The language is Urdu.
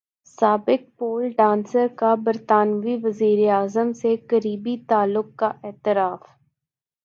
سابق پول ڈانسر کا برطانوی وزیراعظم سے قریبی تعلق کا اعتراف